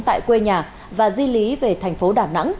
tại quê nhà và di lý về thành phố đà nẵng